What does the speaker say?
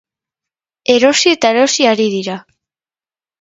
Erosi eta erosi ari dira.